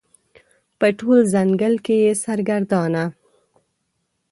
په ټول ځنګل کې یې سرګردانه